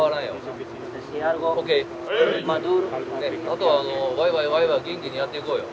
あとはワイワイワイワイ元気にやっていこうよ。